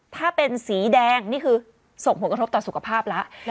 ถ้าเป็นสีแดงนี่คือส่งผลกระทบต่อสุขภาพแล้ว